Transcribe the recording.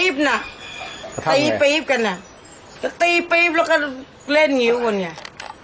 ปี๊บน่ะตีปี๊บกันตีปี๊บแล้วก็เองิวผมยะ